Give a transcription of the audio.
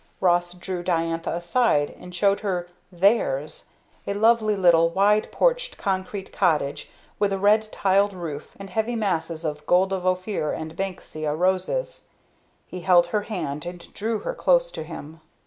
Ross drew Diantha aside and showed her "theirs" a lovely little wide porched concrete cottage, with a red tiled roof, and heavy masses of Gold of Ophir and Banksia roses. He held her hand and drew her close to him.